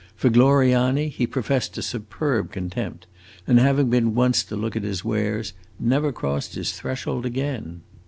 For Gloriani he professed a superb contempt, and, having been once to look at his wares, never crossed his threshold again.